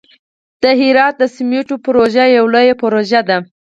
د هرات د سمنټو پروژه یوه لویه پروژه ده.